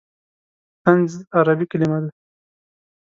طنز عربي کلمه ده.